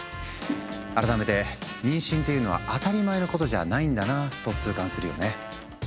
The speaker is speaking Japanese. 改めて妊娠っていうのは当たり前のことじゃないんだなと痛感するよね。